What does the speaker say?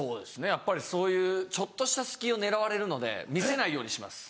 やっぱりそういうちょっとした隙を狙われるので見せないようにします